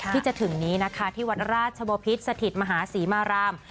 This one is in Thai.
ที่จะถึงนี้ที่วัตรราชโบพิธย์สถิตมหาศรีมาราม